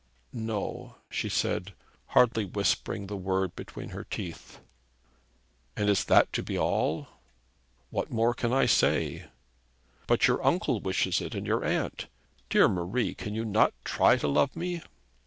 'No,' she said, hardly whispering the word between her teeth. 'And is that to be all?' 'What more can I say?' 'But your uncle wishes it, and your aunt. Dear Marie, can you not try to love me?'